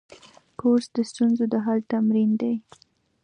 کورس د ستونزو د حل تمرین دی.